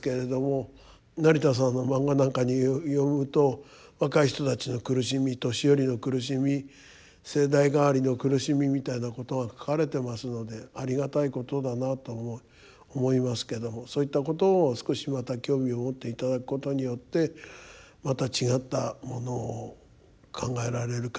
成田さんのマンガなんかによると若い人たちの苦しみ年寄りの苦しみ世代替わりの苦しみみたいなことが描かれてますのでありがたいことだなと思いますけどそういったことを少しまた興味を持っていただくことによってまた違ったものを考えられるかなと思います。